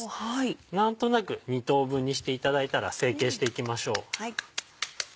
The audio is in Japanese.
何となく２等分にしていただいたら成形していきましょう。